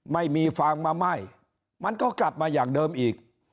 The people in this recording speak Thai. ไม่มีฟางมาไหม้มันก็กลับมาอย่างเดิมอีก